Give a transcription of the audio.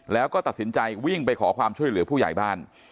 แล้วก็ตัดสินใจวิ่งไปขอความช่วยเหลือผู้ใหญ่บ้าน